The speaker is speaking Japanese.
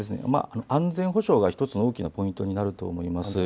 安全保障が１つの大きなポイントになると思います。